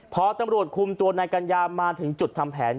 พอตำรวจคุมตัวนายกัญญามาถึงจุดทำแผน